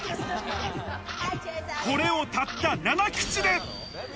これをたった７口で。